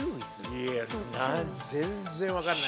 いや全然分かんない。